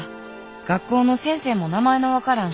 学校の先生も名前の分からん